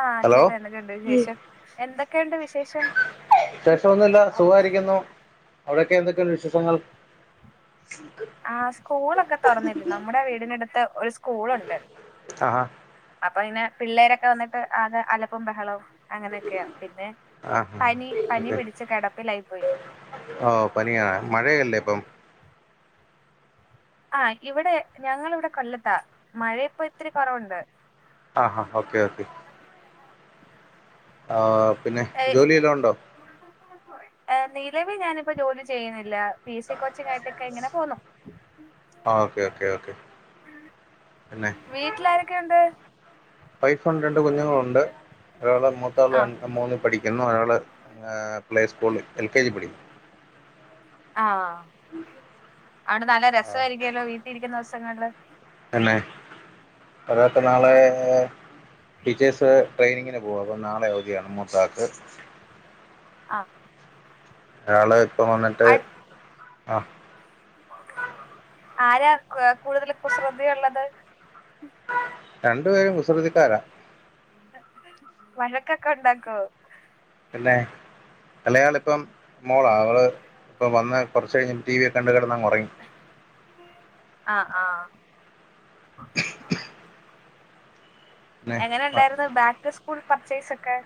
ആ ഹലോ ചേട്ടാ ന്തൊക്കെയുണ്ട് വിശേഷം എന്തൊക്കെയുണ്ട് വിശേഷം വിശേഷമൊന്നുമില്ല സുഖായിരിക്കുന്നു അവിടൊക്കെ എന്തൊക്കെയുണ്ട് വിശേഷങ്ങൾങ്ങൾ ആ സ്കൂളൊക്കെ തുറന്നില്ല നമ്മുടെ വീടിനടുത്ത് ഒരു സ്കൂളുണ്ട് ആഹാ അപ്പൊ ഇനേ പിള്ളേരൊക്കെ വന്നിട്ട് ആകെ അലപ്പും ബഹളവും അങ്ങനെയൊക്കെയാ പിന്നെ ആഹാ പനി പനി ഓക്കെ പിടിച്ച് കിടപ്പിലായി പോയി ഓ പനിയാണ് മഴയല്ലേ ഇപ്പം ആ ഇവിടെ ഞങ്ങളിവിടെ കൊല്ലത്താ മഴ ഇപ്പോ ഇത്തിരി കുറവുണ്ട് ആ ഓക്കെ ഓക്കെ ഓഊ പിന്നെ ജോലി വല്ലോ ഉണ്ടോ ഏ നിലവിൽ ഞാനിപ്പോ ജോലി ചെയ്യുന്നില്ല പി എസ് സി കോച്ചിങ് ആയിട്ടൊക്കെ ഇങ്ങനെ പോന്നു ആ ഓക്കെ ഓക്കെ ഓക്കെ വീട്ടിലാരൊക്കെയുണ്ട് വൈഫും രണ്ട് കുഞ്ഞുങ്ങളുണ്ട് ഒരാളെ മൂത്തവളെ ആഹ് രണ്ട് മൂന്നി പഠിക്ക- ഒരാളെ ഏ പ്ലേസ്കൂ മൂന്ന് എൽ കെ ജി പഠിക്ക ആ അവിടെ നല്ല ആ രസായിരിക്യുവല്ലോ വീട്ടീരിക്കുന്ന ദൊസ് ദിവസങ്ങളിലെ പിന്നെ അവരൊക്കെ നാളേ ടീച്ചേഴ്സ് ട്രെയിനിങ്ങിന് പോവും അപ്പൊ നാളെ അവധിയാണ് മൂത്താക്ക് ആ അയാള് ഇപ്പം വന്നിട്ട് ആ ആരാ കൂടുതല് കുസൃതി ഉള്ളത് രണ്ടുപേരും കുസ് സ്രുതിക്കാരാ വഴക്കൊക്കെ ഒണ്ടാക്കോ പിന്നെ വലിയാളിപ്പം മോളാ അവള് ഇപ്പൊ വന്ന് കുറച്ച് കഴിഞ്ഞ് ടി വി ഒക്കെ കണ്ട കെടന്നങ്ങൊറങ്ങി ആ ആ പിന്നെ എങ്ങനെ ഇണ്ടായിരുന്നു ബാക്ക് സ് ഫുൾപർചേയ്സൊക്കെ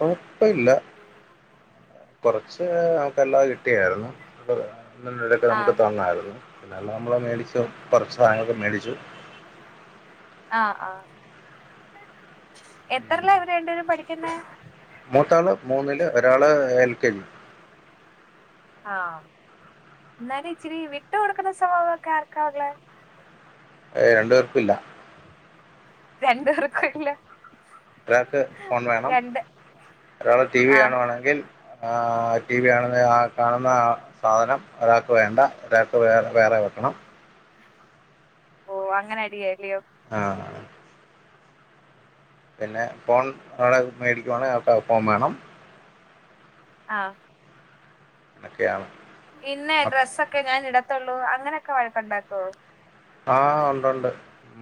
ഓ ഇപ്പ ഇല്ല കൊറച്ച് ആൾക്ക് എല്ലാം എട് കെയാര്ന്നു [unintelligible] നമുക്ക് ആഹ് തന്നാര്ന്നു പിന്നെല്ലാം അമ്മള് മേടിച്ചു കൊറച്ച് സാധനങ്ങളൊക്കെ മേടിച്ചു ആ ആ എത്ര ല്ലാ ഇവര് രണ്ടുപേരും പഠിക്കുന്നേ മൂത്താള് മൂന്നില് ഒരാള് ഏൽ കെ ജി ആ ന്നാലും ഇച്ചിരി വിട്ടു കൊടുക്കുന്ന സ്വഭാവൊക്കെ ആർക്കാവുള്ളെ ഏയ് രണ്ടു പേർക്കുല്ല രണ്ട് പേർക്കുല്ല ഒരാക്ക് ഫോൺ വേണം ഒരാള് ടി വി ആഹ് കാണുവാണെങ്കിൽ ആ ടി വി കാണുന്ന ആ കാണുന്ന ആ സാധനം ഒരാക്ക് വേണ്ട ഒരാക്ക് വേ വേറെ വെക്കണം ഓ അങ്ങനടിയായി ആ പിന്നെ ഫോൺ അവളെ മേടിക്കുവാണേ അൾക്ക് ആ ഫോൺ വേണം ആ അക്കെയാണ് ഇന്ന ഡ്രസ്സൊക്കെ ഞാനിട ത്തൊള്ളൂ അങ്ങനൊക്കെ വഴക്കു ണ്ടാക്കുവോ ആ ഉണ്ട് ഉണ്ട്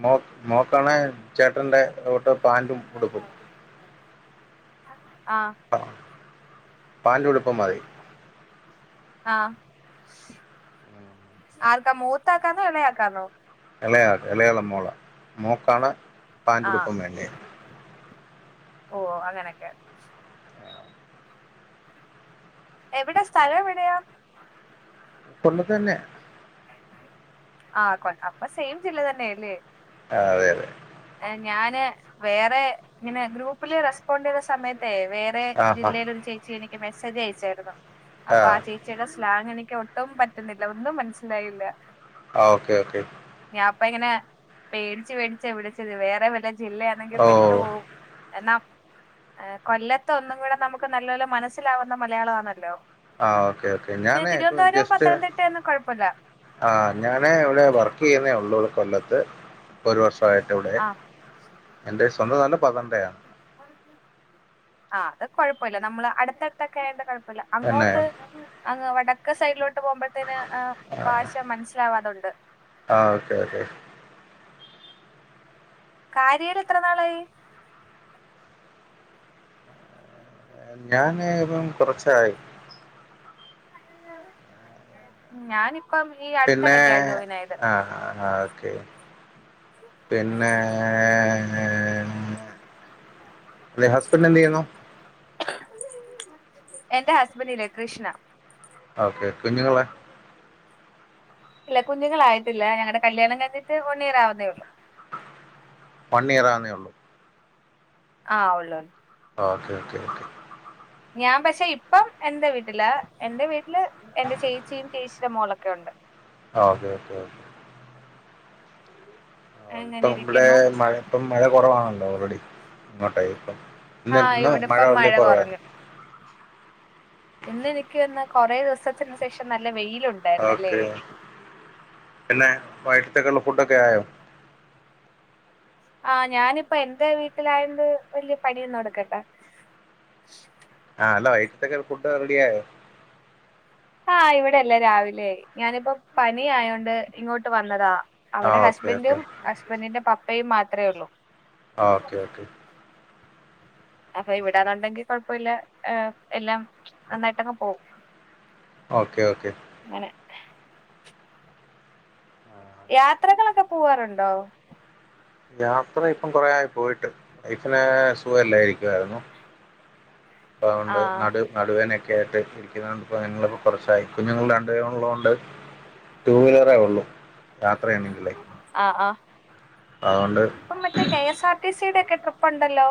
മോക് മോക്കാണേ ചേട്ടന്റെ [unintelligible] [unintelligible] [inaudible] ആഹ് പാന്റും ഉടുപ്പും മതി ആഹ് ആർക്കാ മൂത്ത ആൾക്കാണോ? ഇളയ ആൾക്കാണോ? എളയാൾക്ക് എളയാളെ മോളാ മോൾക്കാണ് പാന്റും ആഹ് ഉടുപ്പും വേണ്ടേ ഓ അങ്ങനൊക്കെ എവിടെ സ്ഥലം എവിടെയാ? കൊല്ലത്ത് തന്നെയാ. ആഹ് കൊൽ അപ്പം സെയിം ജില്ല തന്നെയാല്ലേ. ആ അതെ അതെ. ഞാന് വേറെ ഇങ്ങനെ ഗ്രൂപ്പില് റെസ്പോണ്ട് ചെയ്ത സമയത്തേ വേറെ ആ ജില്ലയിലൊരു ചേച്ചി എനിക് നിക്ക് മെസേജ് അയച്ചായി അപ്പൊ ആ ചേച്ചിയുടെ സ്ലാങ് എനിക്ക് ഒട് ട്ടും പറ്റുന്നില്ല ഒന്നും മനസ്സിലായില്ല. ആ ഓക്കെ ഓക്കെ അപ്പം ഇങ്ങനെ പേടിച്ച് പേടിച്ച് എവിടെ ച് ത്തി വേറേ വല്ല ജില്ലയാണെങ്കിൽ ഓ പെട്ടു പോവും എന്നാ ആ കൊല്ലത്ത് ഒന്നും കൂടെ നമുക്ക് നല്ലപോല്ലെ മനസ്സിലാവുന്ന മലയാളം ആന്നല്ലോ ആഹ് ഓക്കേ ഓക്കേ ഞാനേ ഇപ്പൊ ജസ്റ്റ് പത്തനംതിട്ടയൊന്നും കൊഴപ്പല്ല ആ ഞാനേ ഇവിടെ വർക്ക് ചെയ്യുന്നേ ഉള്ളൂ കൊല്ലത്ത് ഒരു വർഷം. വായിട്ട് ഇവിടെ, ആഹ് എന്റെ സ്വന്തം നാട് പത്തനംതിട്ടയാ ആ അത് കുഴപ്പമില്ല നമ്മള് അടുത്തടുത്തൊക്കെ ആയോണ്ട് കൊഴപ്പ് പ്പല്ല തന്നെ അങ്ങോട്ട് അങ്ങ് വട ക്ക സൈഡിലോട് ട്ട് പോകുമ്പോഴത്തേന് ഏം ഭാഷ മനസ്സിലാവാതൊണ്ട്. ആ ഓക്കെ ഓക്കെ കാര്യയിൽ എത്ര നാളായി? ന്താന് ഇപ്പം കുറച്ചായി. ഉം ഞാനിപ് പിന്നെ ആഹ് ആഹ് ആ ഓക്കെ പിന്നെ ഹസ്ബൻഡ് എന്ത് ചെയ്യുന്നു. എന്റെ ഹസ്ബൻഡ് ഇല്ലേ കൃഷ്ണ ഓക്കെ കുഞ്ഞുങ്ങളോ? ഇല്ല കുഞ്ഞുങ്ങളായിട്ടില്ല ഞങ്ങളുടെ കല്യാണം കഴിഞ്ഞിട്ട് വൺ ഇയർ ആവുന്നേ ഉള്ളു. വൺ ഇയർ ആവുന്നേ ഉള്ളൂ ആ ഒള്ളൂ ഓക്കെ ഓക്കെ ഓക്കെ ഞാൻ പക്ഷെ ഇപ്പം എന്റെ വീട്ടിലാ എൻ്റെ വീട്ടി വീട്ടില് എന്റെ ചേച്ചിയും ചേ ന്റ മോളൊക്കെയുണ്ട് ഓക്കെ ഓക്കെ ആ ഇപ്പൊ അങ്ങനെ ഇവിടെ ഇരിക്കുന്നു മഴ ഇപ്പ മഴ കുറവാണല്ലോ ഓൾറെഡി അങ്ങോട്ടായി ഇപ്പം ല്ല ആഹ് ഇന്ന് മഴ ഇവിടിപ്പം ഉള്ളേ കൊറഞ്ഞു കുറവാരുന്നു ഇന്ന് എനിക്ക് തോന്നുന്നു കൊറേ ദിവസത്തിന് ശേഷം നല്ല വെയി ഓക്കേ പിന്നെ വയിട്ടത്തേക്കുള്ള ഫു ഫുഡക്കെയായോ ആ ഞാനിപ്പോ എന്റെ വീട്ടിലായണ്ട് വല്യ പണിയൊന്നും എടുക്കണ്ട ആ ഹലോ വൈട്ടത്തക്ക ഫുഡ് റെഡിയായോ ആ ഇവിടെയെല്ലാം രാവിലെയായി ഞാനിപ്പോ പനി ആയോണ്ട് ഇങ്ങോട്ട് വന്നതാ അവിടെ ആഹ് ഓക്കെ ഓക്കെ ഹസ്ബൻറും ഹസ്ബൻറിന്റെ പപ്പ് അമ്മയും മാത്രേയുള്ളൂ ആ ഓക്കെ ഓക്കെ അപ്പൊ ഇവിടാന്നുണ്ടെങ്കിൽ കൊഴപ്പമില്ല എല്ലാം നന്നായിട്ടങ്ങ് പോകും ഓക്കെ ഓക്കെ യാത്രകളൊക്കെ പോവാറുണ്ടോ യാത്ര ഇപ്പം കൊറേയായി പോയിട്ട് വൈഫിനെ സുഖമില്ലാതിരിക്കുവായിരുന്നു ഇപ്പൊ അതുകൊണ്ട് ആഹ് നടു നടുവേദനയൊക്കെ കേട്ട് ഇപ്പൊ ഞങ്ങളിപ്പോ കൊറച്ചായി ഞങ്ങൾ രണ്ടുപേരും ഉള്ളതുകൊണ്ട് ടൂവീലറേ ഉള്ളൂ. യാത്രയാണെങ്കിലേ ആ ആഹ് അതുകൊണ്ട് ഇപ്പൊ മറ്റേ K S R T C യുടെയൊക്കെ ട്രിപ്പ്‌ ഇപ്പൊണ്ടല്ലോ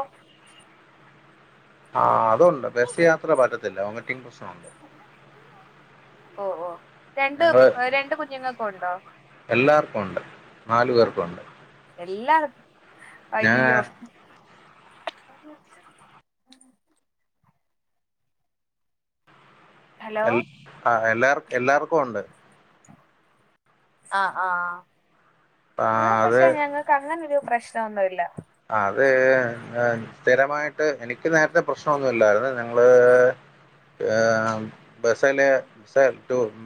ആഅതൊണ്ട് ബസ് യാത്ര പറ്റത്തില്ല വൊമിറ്റിങ് പ്രശ്നമുണ്ട്. ഓ ഓഹ് രണ്ട് ഞങ്ങള് രണ്ട് കുഞ്ഞുങ്ങൾക്കും ഉണ്ടോ? എല്ലാർക്കും ഉണ്ട് നാലു പേർക്കും [unintelligible] എല്ലാർക്ക് ഞാൻ അയ്യോ [unintelligible] ഹലോ എൽ ആ എല്ലാർക്കും എല്ലാർക്കും ഉണ്ട് ആ ആ ഇവിടെ അത് പക്ഷെ ഞങ്ങക്ക് അങ്ങന ഒരു പ്രശ് ഇഷ്ടമൊന്നുല്ല അത് സ്ഥിരമായിട്ട് എനിക്ക് നേരത്തെ പ്രശ്നം ഒന്നുല്ലായിരുന്നു. നിങ്ങള് ഏ ബസല് ബസ്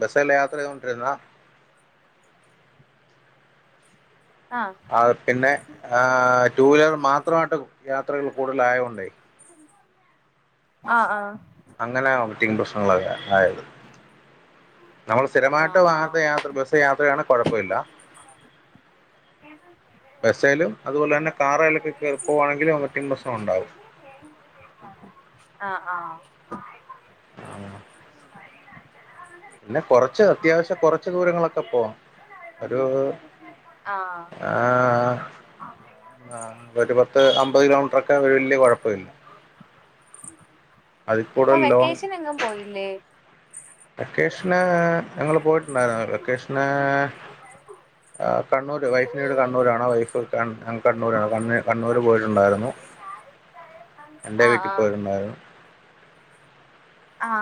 ബസല്ല യാത്ര ചെയ്തൊണ്ടിരുന്നാ ആഹ് ആ പിന്നെ ആ ടു വീലർ മാത്രമായിട്ട് യാത്രകൾ കൂടുതലായോണ്ട് ആ ആ അങ്ങനെ വൊമിറ്റിംഗ് പ്രശ്നങ്ങളുള്ളവർ ആയത് നമ്മള് സ്ഥിരമായിട്ട് ആഹ് വാഹനത്തെ ആഹ് യാത്ര ബസ് യാത്രയാണെ കൊഴപ്പമില്ല ബസ്സെലും അതുപോലെ തന്നെ കാറേലൊക്കെ കേറി പോവാണെങ്കില് വൊമിറ്റിംഗ് പ്രശ്നം ഉണ്ടാവും ആഹ് ആഹ് [unintelligible] പിന്നെ കൊറച്ച് അത്യാവശ്യ കൊറച്ച് ദൂരങ്ങളൊക്കെ പോവാം. ഒരു ആഹ് ആ ഒരു പത്ത് അമ്പത് കിലോമീറ്ററൊക്കെ വല്ല്യ കുഴപ്പ പ്പമില്ല അപ്പൊ വെക്കേഷന് എങ്ങും പോയില്ലേ വെക്കേഷന് ഞങ്ങള് പോയിട്ടുണ്ടായിരുന്ന് വെക്കേഷന് ആ കണ്ണൂര് വൈഫിന്റീട് കണ്ണൂരാണ് വൈഫ് കൺ കണ്ണൂരാണ് കണ്ണൂര് പോയിട്ടുണ്ടായിരുന്നു എന്റെ ആഹ് വീട്ടി ആഹ് പോയിരുന്നായിരുന്നു ആ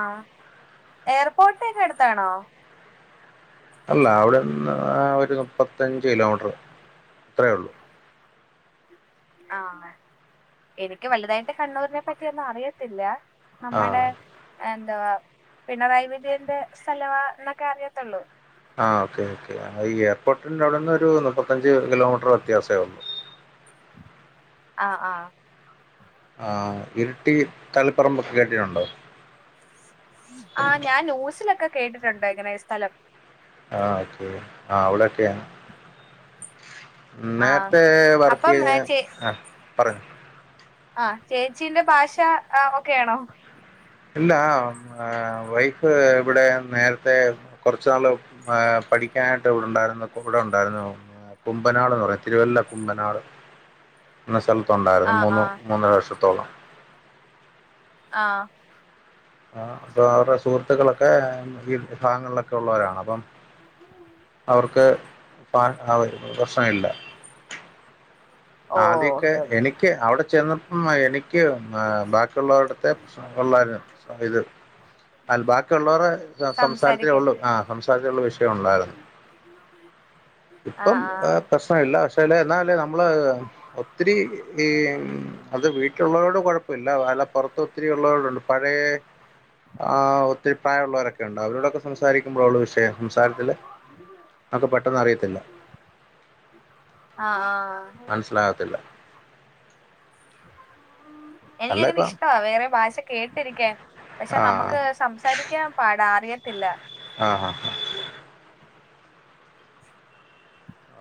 എയർപോർട്ടക്കെ അടുത്താണോ അല്ല അവിട്ന്ന് ഒരു മുപ്പത്തഞ്ച് കിലോമീറ്ററ് അത്രെ ഉള്ളു ആ എനിക്ക് വലുതായിട്ട് കണ്ണൂരിനെ പറ്റിയൊന്നും അറിയത്തില്ല അമ്മേടെ ആഹ് എൻ ആ പിണറായി വിജയന്റെ സ്ഥലവാ ന്നൊക്കെ അറിയത്തൊള്ളൂ ആ ഓക്കേ ഓക്കേ ഈ എയർപോർട്ടിൻ്റെ അവിടുന്ന് ഒരു മുപ്പത്തഞ്ച് കിലോമീറ്ററ് വ്യത്യാസേ ഉള്ളൂ ആ ആ ആ ഇരിട്ടി തളിപ്പറമ്പൊക്കെ കേട്ടിട്ടുണ്ടോ ആ ഞാൻ ന്യൂസിലൊക്കെ കേട്ടിട്ടുണ്ട് ഇങ്ങനെ ഈ സ്ഥലം ആ ഓക്കെ ആ അവടൊക്കേണ് ആഹ് നേരത്തെ വർക്ക് അപ്പം ചെയ്തേന്നെ ചേ ആ പറ ആ ചേച്ചീന്റെ ഭാഷ ആ ഓക്കേ ആണോ ഇല്ലാ വൈഫ് ഇവിടെ നേരത്തെ കൊറച്ച് നാള് പഠിക്കാനായിട്ട് ഇവിടുണ്ടായിരുന്നു അപ്പോൾ ഇവിടുണ്ടാരുന്നു കുമ്പനാടെന്ന് പറയും തിരുവല്ല കുമ്പനാട് എന്ന സ്ഥല ത്തുണ്ടായിരുന്നു ആഹ് മൂന്ന് ആഹ് മൂന്നര വർഷത്തോളം ആഹ് ആഹ് അപ്പം അവടെ സുഹൃ ബന്ധുക്കളൊക്കെ ഈ ഭാഗങ്ങളിലൊക്കെ ഉള്ളവരാണ് അപ്പം അവർക്ക് [unintelligible] പ്രശ്നം ഇല്ല ഓഹ് ആദ്യമൊക്കെ ഓക്കെ ഓക്കെ എനിക്ക് അവിടെ ചെന്നപ്പമാ എനിക്ക് ബാക്കിയുള്ളവരുടെ എടുത്ത് പ്രശ്നങ്ങളുണ്ടായിരുന്നു ആ ഇത് അത് ബാക്കിഉള്ളവർടെ സംസാരിക്കാൻ സംസാരത്തിലുള്ളു ആ സംസാരത്തിലുള്ള വിഷയം ഉള്ളായിരുന്നു ഇപ്പം ആഹ് പ്രശ്നം ഇല്ല പ എന്നാലല്ലേ നമ്മള് ഒത്തിരി ഈ അത് വീട്ടിലുള്ളവരോട് കൊഴപ്പമില്ല വേറെ പുറത്ത് ഒത്തിരി ഉള്ളവരുണ്ട് പഴേ ആ ഒത്തിരി പ്രായമുള്ളവരൊക്കെ ഉ അവരോടൊക്കെ സംസാരിക്കുമ്പോഴുള്ള വിഷയം സംസാരത്തില് നമ്മക്ക് പെട്ടെന്ന് അറിയത്തില്ല ആഹ് ആഹ് ആഹ് മനസ്സിലാകത്തില്ല ഉ [inaudible] എനിക്ക് അല്ല അങ്ങനെ ഇപ്പം ഇഷ്ടമാ വേറെ ഭാഷ കേട്ടിരിക്കാൻ പക്ഷെ ആഹ് നമുക്ക് സംസാരിക്കാൻ പാടാ അറിയ ഇല്ല ആഹ്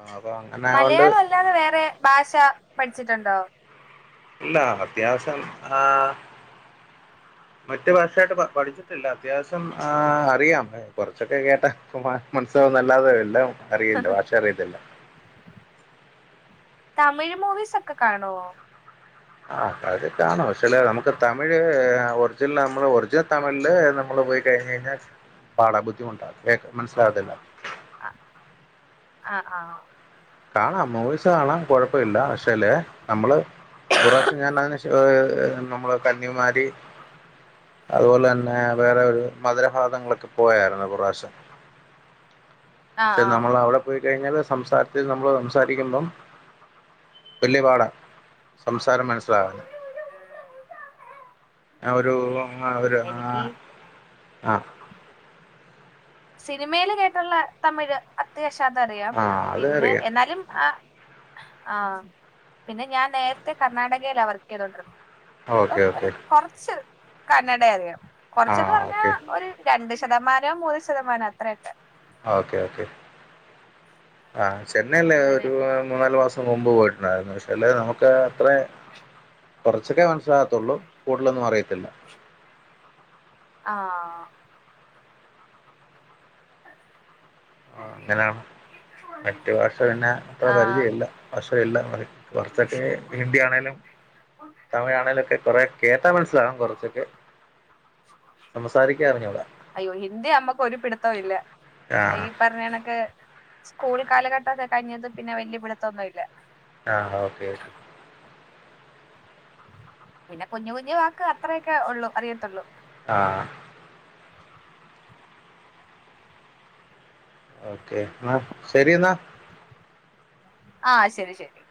ആഹ് അപ്പൊ അങ്ങനെ ആയോണ്ട് മലയാളം അല്ലാതെ വേറെ ഭാഷ പഠിച്ചിട്ടുണ്ടോ ഇല്ല അത്യാവശ്യം ആ മറ്റു ഭാഷയായിട്ട് പഠിച്ചിട്ടില്ല അത്യാവശ്യം ആ അറിയാം കുറച്ചൊക്കെ കേട്ടാ ഇപ്പം മനസ്സിലാവുംന്ന് അല്ലാതെ എല്ലാം അറിയില്ല ഭാഷ അറിയത്തില്ല തമിഴ് മൂവീസ് ഒക്കെ കാണുവോ ആ അത് കാണും പക്ഷേ ഇല്ലേ നമുക്ക് തമിഴ് ഒറിജിനൽ നമ്മള് ഒറിജിനൽ തമിഴില് നമ്മള് പോയി കഴിഞ്ഞ് കഴിഞ്ഞാൽ പാടാ ബുദ്ധിമുട്ടാ മനസ്സിലാകത്തില്ല ആ ആഹ് ആഹ് കാണാം മൂവീസ് കാണാം കുഴപ്പമില്ല പക്ഷേല് നമ്മള് ഒര് പ്രാവശ്യം ഞാൻ അതിന് നമ്മള് കന്യാകുമാരി അതുപോലെ തന്നെ വേറെ ഒരു മധുരഭാഗങ്ങളിലൊക്കെ പോയാരുന്നു ഒര് പ്രാവശ്യം ആഹ് പക്ഷെ ആഹ് നമ്മൾ അവിടെ പോയി കഴിഞ്ഞാല് സംസാരത്തില് നമ്മള് സംസാരിക്കുമ്പം വല്യ പാടാ സംസാരം മനസ്സിലാവുന്നു ഞാൻ ഒരു [unintelligible] എനിക്ക് ആഹ് സിനിമയില് കേട്ടുള്ള തമിഴ് അത്യാവശ്യം അതറിയാം ആ അത് പിന്നെ അറിയാം എന്നാലും ആ ആഹ് പിന്നെ ഞാൻ നേരത്തെ കർണാടകയിലാ വർക്ക് ചെയ്തോണ്ടിരുന്നെ ഓക്കെ അപ്പം ഒരു ഓക്കെ കുറച്ച് കന്നഡ അറിയാം ആ കൊറച്ചന്ന് പറഞ്ഞാ ഓക്കെ ഒരു രണ്ട്ം ശതമാനം ഒ ശതമാനം അത്രയക്ക ഓക്കെ ഓക്കെ ആ ചെന്നൈല്ലേ അങ്ങനെ ഒരു മൂന്നാല് മാസം മുമ്പ് പോയിട്ട് രുന്നു പക്ഷേ അല്ല നമുക്ക് അത്രേ കൊറച്ചൊക്കെ മനസ്സിലാത്തുള്ളൂ കൂടുതലൊന്നും അറിയത്തില്ല ആഹ് ആ അങ്ങനെയാണ് മറ്റു ഭാഷ പിന്നെ അത്ര ആഹ് പരിചയല്ല അ എല്ലാ അതി പുറത്തൊക്കെ ഹിന്ദി ആണേലും തമിഴാണേലും ഒക്കെ കൊറെ ഴ് മനസ്സിലാകും കുറച്ചൊക്കെ സംസാരിക്കാൻ അറിഞ്ഞൂടാ അയ്യോ ഹിന്ദി അമ്മക്ക് ഒരു പിടുത്തവും ഇല്ല ആഹ് ഈ പറഞ്ഞ കണക്ക് സ്കൂൾ കാലഘട്ടോക്കെ കഴഞ്ഞതി പിന്നെ വല്യ പിടിത്തം ഒന്നുല്ല്യ ആഹ് ഓക്കെ ഓക്കെ പിന്നെ കുഞ്ഞു കുഞ്ഞു വാക്ക് അത്രയൊക്കെ ഉള്ളു അറിയത്തുള്ളൂ ആ ഓക്കെ എന്ന ശരി എന്നാ ആഹ് ശെരി ശെരി